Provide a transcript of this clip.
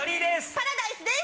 パラダイスです！